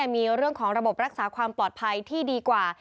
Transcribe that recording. มีเรื่องของระบบรักษาความปลอดภัยที่ดีกว่า